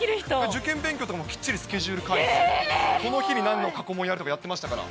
受験勉強とかもきっちりスケジュール管理して、この日になんの過去問やるとかやってましたから。